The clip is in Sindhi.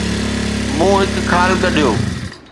مون هڪ خال ڪڍيو